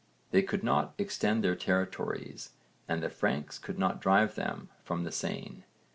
They could not extend their territories and the Franks could not drive them from the Seine.